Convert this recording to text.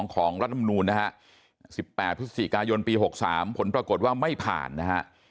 รัฐมนูลนะฮะ๑๘พฤศจิกายนปี๖๓ผลปรากฏว่าไม่ผ่านนะฮะ